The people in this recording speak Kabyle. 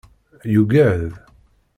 Yugad.